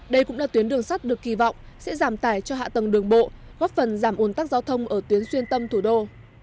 đây cũng là tuyến đường sắt được kỳ vọng sẽ giảm tải cho hạ tầng đường bộ góp phần giảm ồn tắc giao thông ở tuyến xuyên tâm thủ đô